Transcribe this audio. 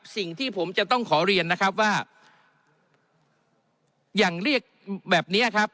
สิ่งที่ผมจะต้องขอเรียนนะครับว่าอย่างเรียกแบบเนี้ยครับ